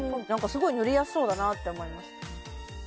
なんかすごい塗りやすそうだなって思います